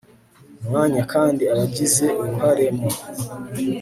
mwanya kandi abagize uruhare mu